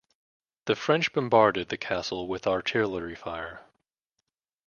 The French bombarded the castle with artillery fire.